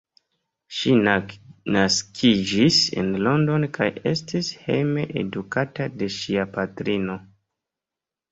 Ŝi naskiĝis en London kaj estis hejme edukata de ŝia patrino.